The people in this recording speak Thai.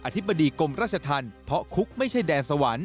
ธิบดีกรมราชธรรมเพราะคุกไม่ใช่แดนสวรรค์